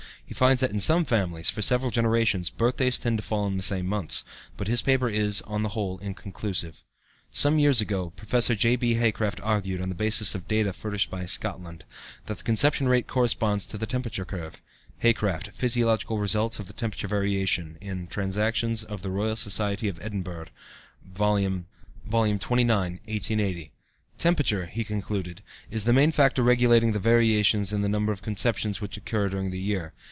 He finds that in some families, for several generations, birthdays tend to fall in the same months, but his paper is, on the whole, inconclusive. Some years ago, Prof. J.B. Haycraft argued, on the basis of data furnished by Scotland, that the conception rate corresponds to the temperature curve (Haycraft, "Physiological Results of Temperature Variation," Transactions of the Royal Society of Edinburgh, vol. xxix, 1880). "Temperature," he concluded, "is the main factor regulating the variations in the number of conceptions which occur during the year.